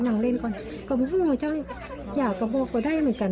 นั่งเล่นก่อนก็พูดว่าเจ้าอยากกระโพกก็ได้เหมือนกัน